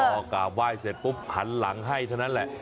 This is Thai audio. พอกราบไหว้เสร็จปุ๊บหันหลังให้เท่านั้นแหละ